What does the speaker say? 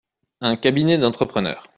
Un cabinet d’entrepreneur.